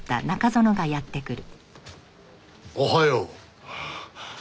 おはよう。